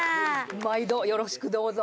毎度よろしくどうぞ。